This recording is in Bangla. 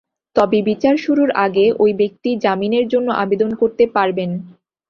তবে বিচার শুরুর আগে ওই ব্যক্তি জামিনের জন্য আবেদন করতে পারবেন।